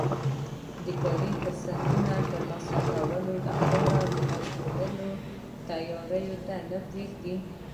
د کاري فرصتونو ترلاسه کولو لپاره د ازموینو تیاري ته نه پرېږدي